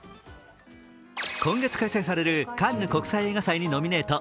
今月開催されるカンヌ国際映画祭にノミネート。